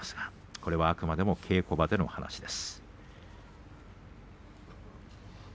これは、あくまでも稽古場での話です。